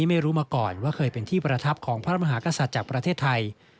ไม่รู้มาก่อนว่าเคยเป็นที่ประทับของพระมหากษัตริย์จากประเทศไทย